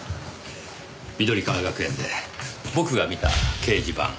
緑川学園で僕が見た掲示板。